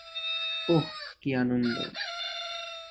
ওহ, কী আনন্দ।